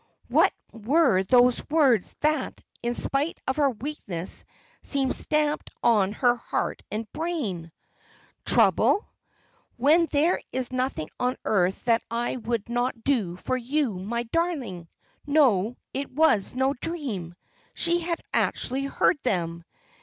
What were those words that, in spite of her weakness, seemed stamped on her heart and brain? "Trouble? When there is nothing on earth that I would not do for you, my darling!" No, it was no dream. She had actually heard them.